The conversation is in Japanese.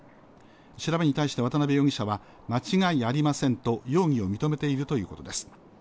調べに対して渡部容疑者は、間違いありませんと容疑を認めているということです。